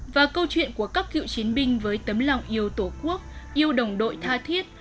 và câu chuyện của các cựu chiến binh với tấm lòng yêu tổ quốc yêu đồng đội tha thiết